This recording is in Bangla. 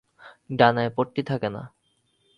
ডানায় পট্টি থাকে না।